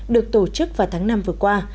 được tổ chức vào tháng năm vừa qua